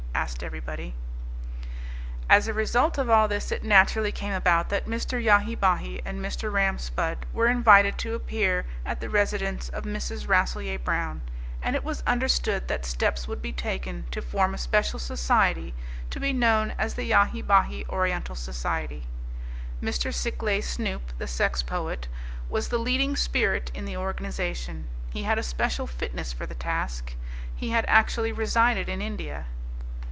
asked everybody. As a result of all this it naturally came about that Mr. Yahi Bahi and Mr. Ram Spudd were invited to appear at the residence of Mrs. Rasselyer Brown; and it was understood that steps would be taken to form a special society, to be known as the Yahi Bahi Oriental Society. Mr. Sikleigh Snoop, the sex poet, was the leading spirit in the organization. He had a special fitness for the task: he had actually resided in India.